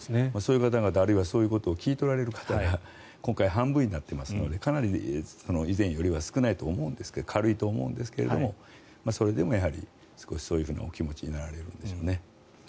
そういう方々あるいはそういうことを聞いておられる方が今回半分になっていますのでかなり以前よりは少ない軽いと思うんですがそれでもそういう気持ちになられるんでしょうね。